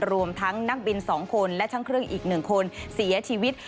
รวมทั้งนักบินสองคนและทั้งเครื่องอีกหนึ่งคนเสียชีวิต